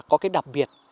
có cái đặc biệt